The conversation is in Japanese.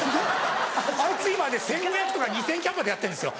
あいつ今ね１５００人とか２０００人キャパでやってるんですよ。